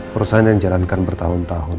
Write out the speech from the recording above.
perusahaan yang dijalankan bertahun tahun